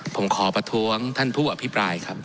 ผมขอประท้วงท่านผู้อภิปรายครับ